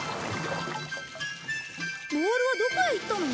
ボールはどこへ行ったの？